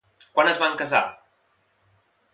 Quan es van casar?